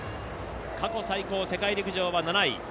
過去最高、世界陸上は７位。